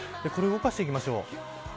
これを動かしていきます。